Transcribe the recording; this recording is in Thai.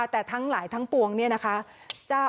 แต่ทั้งหลายทั้งปวงเนี่ยนะคะ